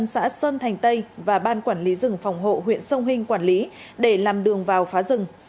xã sơn thành tây và ban quản lý rừng phòng hộ huyện sông hinh quản lý để làm đường vào phá rừng